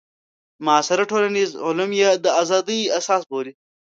معاصر ټولنیز علوم یې د ازادۍ اساس بولي.